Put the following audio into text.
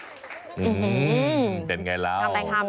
อื้มมมมเป็นไงแล้ว